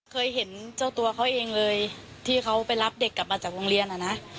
เคยเห็นเจ้าตัวเขาเองเลยที่เขาไปรับเด็กกลับมาจากโรงเรียนอ่ะนะ